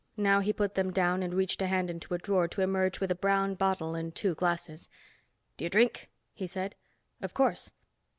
Now he put them down and reached a hand into a drawer to emerge with a brown bottle and two glasses. "Do you drink?" he said. "Of course."